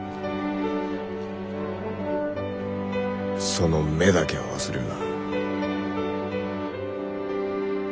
その目だけは忘れるな。